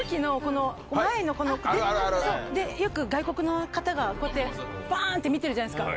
飛行機のこの前のこの、よく外国の方が、こうやってばーんって見てるじゃないですか。